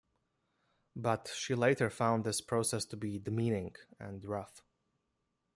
But, she later found this process to be demanding and rough.